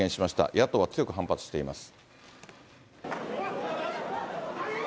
野党は強く反発しています。